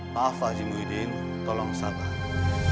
maaf pak haji muhyiddin tolong sabar